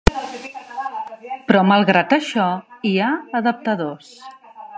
Però malgrat això, hi ha adaptadors.